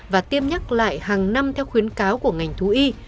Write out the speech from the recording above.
và tiêm nhắc lại hàng năm theo khuyến cáo của ngành thú y